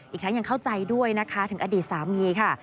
อีกทั้งยังเข้าใจด้วยนะคะถึงอดีตสามีค่ะ